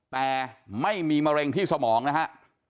แต่ไม่มีมะเร็งที่สมองนะฮะ